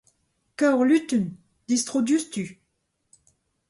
Kaoc'h lutun ! Distro diouzhtu !